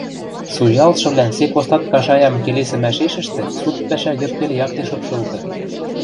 суялтшывлӓн сек остатка шаям келесӹмӓшешӹштӹ суд пӓшӓ йыдпел якте шыпшылты.